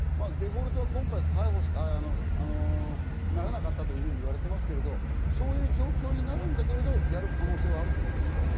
デフォルトは今回ならなかったといわれていますけれども、そういう状況になるんだけど、やる可能性はあるということですか？